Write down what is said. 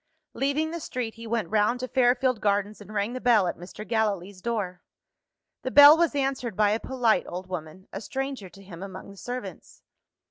Leaving the street, he went round to Fairfield Gardens, and rang the bell at Mr. Gallilee's door. The bell was answered by a polite old woman a stranger to him among the servants.